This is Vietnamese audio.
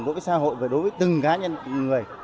đối với xã hội và đối với từng cá nhân người